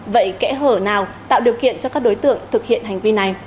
vậy kẽ hở nào tạo điều kiện cho các đối tượng thực hiện hành vi này